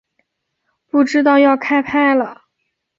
不知道要开拍了